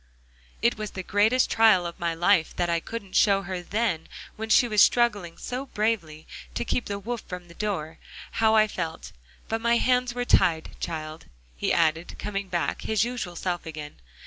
"It was the greatest trial of my life that I couldn't show her then when she was struggling so bravely to keep the wolf from the door, how I felt. But my hands were tied, child," he added, coming back, his usual self again.